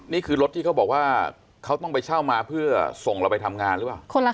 นี่คือรถที่เขาบอกว่าเขาต้องไปเช่ามาเพื่อส่งเราไปทำงานหรือเปล่า